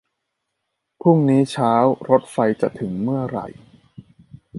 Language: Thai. พรุ่งนี้เช้ารถไฟจะถึงเมื่อไหร่